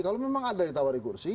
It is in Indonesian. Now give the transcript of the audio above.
kalau memang ada yang ditawari kursi